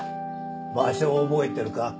場所覚えてるか？